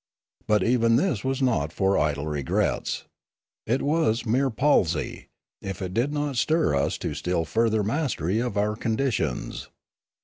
But even this was not for idle regrets. It was mere palsy, if it did not stir us to still further mastery of our con ditions.